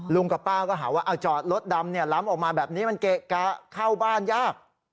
กับป้าก็หาว่าจอดรถดำล้ำออกมาแบบนี้มันเกะกะเข้าบ้านยาก